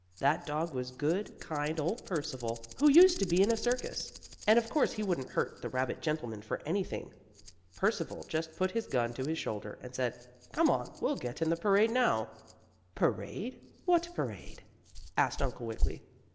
that dog was good, kind, old Percival, who used to be in a circus. And of course he wouldn't hurt the rabbit gentleman for anything. Percival just put his gun to his shoulder, and said: "Come on, we'll get in the parade now." "Parade? What parade?" asked Uncle Wiggily.